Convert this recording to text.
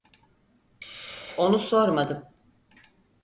Onu sormadım.